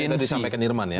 saat itu disampaikan irman ya